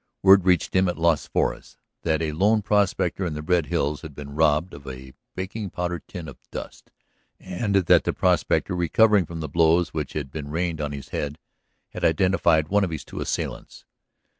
Word reached him at Las Flores that a lone prospector in the Red Hills had been robbed of a baking powder tin of dust and that the prospector, recovering from the blows which had been rained on his head, had identified one of his two assailants.